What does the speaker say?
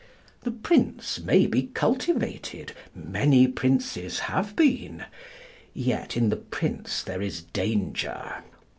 The Prince may be cultivated. Many Princes have been. Yet in the Prince there is danger.